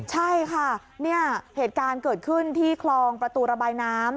ใช่ค่ะเนี่ยเหตุการณ์เกิดขึ้นที่คลองประตูระบายน้ำ